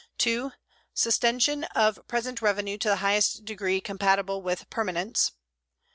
2. Sustention of present revenue to the highest degree compatible with permanence.